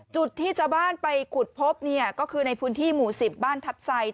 จุดที่ชาวบ้านไปขุดพบเนี่ยก็คือในพื้นที่หมู่๑๐บ้านทัพไซ